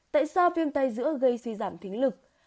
tại sao viêm tay giữa gây suy giảm thính lực